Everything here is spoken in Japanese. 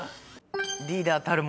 リーダーたるもの